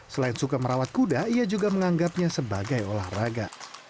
selain suka merawat kuda ia juga menganggapnya sebagai olahraga